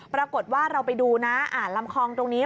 ปรากฏว่าเราไปดูนะอ่านลำคลองตรงนี้